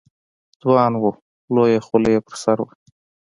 ځوان و، لویه خولۍ یې پر سر وه.